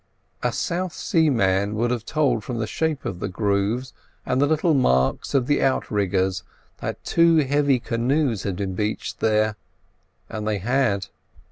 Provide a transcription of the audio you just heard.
A South Sea man would have told from the shape of the grooves, and the little marks of the out riggers, that two heavy canoes had been beached there. And they had.